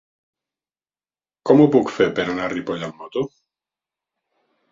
Com ho puc fer per anar a Ripoll amb moto?